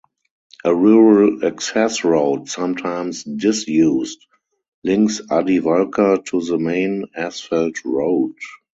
A rural access road (sometimes disused) links Addi Walka to the main asphalt road.